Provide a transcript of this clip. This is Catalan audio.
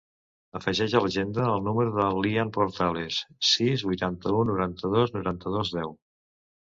Afegeix a l'agenda el número del Lian Portales: sis, vuitanta-u, noranta-dos, noranta-dos, deu.